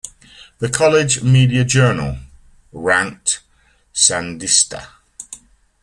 The "College Media Journal" ranked "Sandinista!